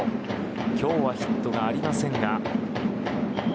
今日はヒットがありませんが。